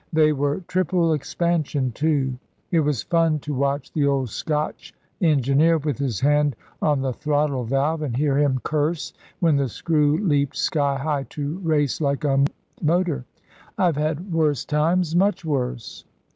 They were triple expansion, too. It was fun to watch the old Scotch engineer with his hand on the throttle valve, and hear him curse when the screw leaped sky high to race like a motor. I've had worse times much worse."